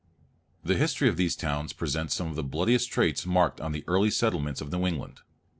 The history of these towns presents some of the bloodiest traits marked on the early settlements of New England.